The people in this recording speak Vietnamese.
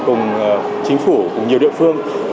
cùng chính phủ nhiều địa phương